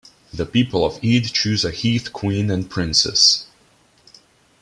The people of Ede choose a heath queen and princess.